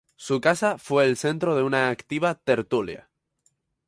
Su casa fue el centro de una activa tertulia.